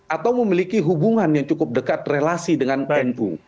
atau memiliki hubungan yang cukup dekat relasi dengan nu